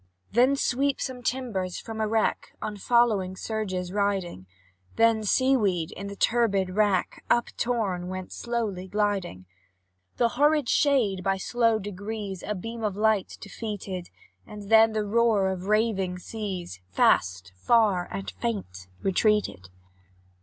Then swept some timbers from a wreck. On following surges riding; Then sea weed, in the turbid rack Uptorn, went slowly gliding. The horrid shade, by slow degrees, A beam of light defeated, And then the roar of raving seas, Fast, far, and faint, retreated.